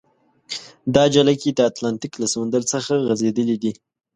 دا جلګې د اتلانتیک له سمندر څخه غزیدلې دي.